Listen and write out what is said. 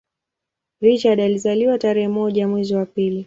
Richard alizaliwa tarehe moja mwezi wa pili